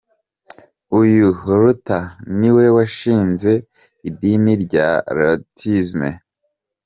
Uyu Luther niwe washinze idini rya Lutheism.